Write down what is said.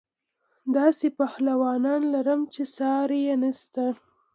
داسې پهلوانان لرم چې ساری یې نشته.